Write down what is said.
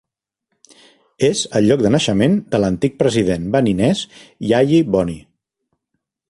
És el lloc de naixement de l'antic president beninès Yayi Boni.